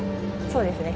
そうですね。